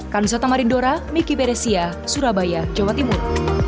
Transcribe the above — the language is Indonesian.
kansel tamarindora miki peresia surabaya jawa timur